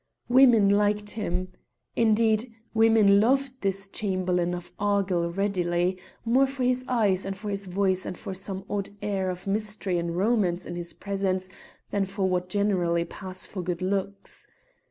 Women liked him. Indeed women loved this Chamberlain of Argyll readily, more for his eyes and for his voice and for some odd air of mystery and romance in his presence than for what generally pass for good looks.